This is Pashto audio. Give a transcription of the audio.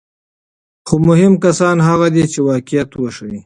خو مهم کسان هغه دي چې واقعیت وښيي.